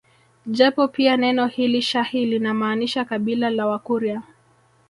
Japo pia neno hili shahi linamaanisha kabila la Wakurya